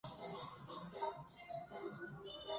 Toda ella al madurar adquiere color rojo.